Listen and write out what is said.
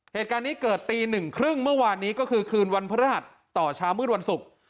เหตุการณ์นี้เกิดตีหนึ่งครึ่งเมื่อวานนี้ก็คือคืนวันพระรหัสต่อเช้ามืดวันศุกร์